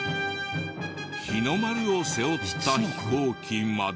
日の丸を背負った飛行機まで。